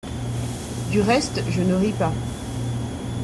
Du reste, je ne ris pas.